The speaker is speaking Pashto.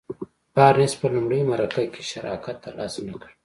بارنس په لومړۍ مرکه کې شراکت تر لاسه نه کړ.